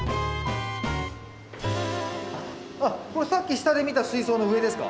あっこれさっき下で見た水槽の上ですか？